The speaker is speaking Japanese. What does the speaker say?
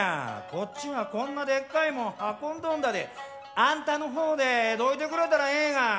こっちはこんなでっかいもん運んどんだてあんたの方でどいてくれたらええがな」。